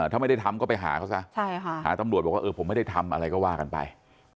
ถ้าไม่ได้ทำก็ไปหาเขาซะหาตำรวจบอกว่าเออผมไม่ได้ทำอะไรก็ว่ากันไป